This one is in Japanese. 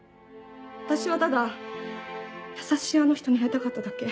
私はただ優しいあの人に会いたかっただけ。